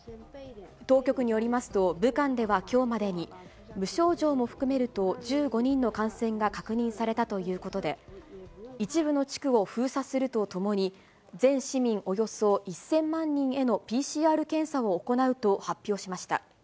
当局によりますと、武漢ではきょうまでに、無症状も含めると１５人の感染が確認されたということで、一部の地区を封鎖するとともに、全市民およそ１０００万人へのＰＣＲ検査を行うと発表しました。